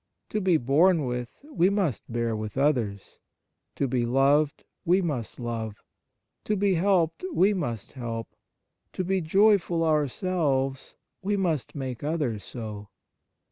To be borne with, we must bear with others ; to be loved, we must love ; to be helped, we must help; to be joyful ourselves, we must make others so.